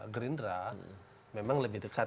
gerindra memang lebih dekat